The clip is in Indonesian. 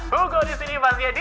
hugo disini bersedia di